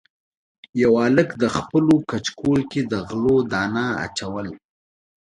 یوه هلک د خپلو کچکول کې د غلو دانه اچوله.